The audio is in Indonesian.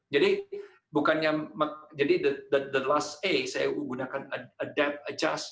jadi the last a saya gunakan adapt adjust